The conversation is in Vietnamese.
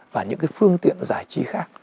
và những phương tiện giải trí khác